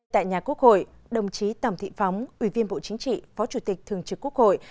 tại nhà quốc hội đồng chí tòng thị phóng ủy viên bộ chính trị phó chủ tịch thường trực quốc hội